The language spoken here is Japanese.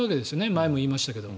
前も言いましたけど。